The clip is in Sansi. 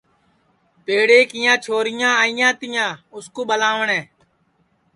پیڑے کیاں چھوریاں آیا تیا اُس کُو ٻلاٹؔے